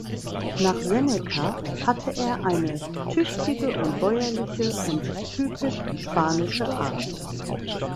Nach Seneca hatte er eine "tüchtige und bäuerliche und typisch spanische Art".